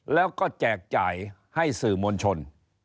แล้วก็แจกจ่ายให้สื่อมวลชน